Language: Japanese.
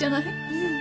うん。